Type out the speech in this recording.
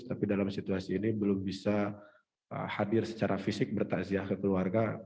tapi dalam situasi ini belum bisa hadir secara fisik bertakziah ke keluarga